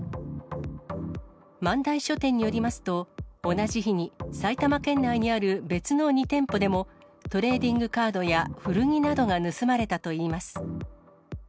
万代書店によりますと、同じ日に埼玉県内にある別の２店舗でも、トレーディングカードや古着などが盗まれたといいます。